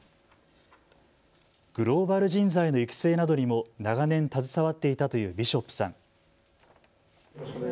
グローバル人材の育成などにも長年携わっていたというビショップさん。